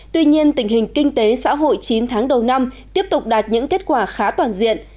tuy nhiên tình hình kinh tế xã hội chín tháng đầu năm tiếp tục đạt những kết quả khá toàn diện